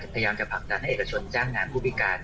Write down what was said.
พยายามจะผลักดันให้เอกชนจ้างงานผู้พิการ